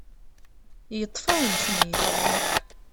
Yeṭṭef-awen-ten-id.